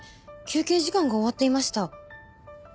休憩時間が終わっていました。